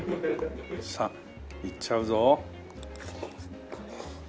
さあいっちゃうぞ。